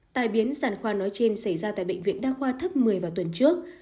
tai biến sản khoa nói trên xảy ra tại bệnh viện đa khoa thấp một mươi vào tuần trước